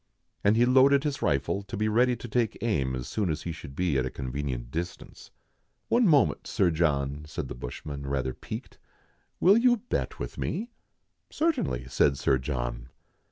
And he loaded his rifle, to be ready to take aim as soon as he should be at a convenient distance. "One moment, Sir John," said the bushman, rather piqued, " will you bet with me ?'*" Certainly," said Sir John.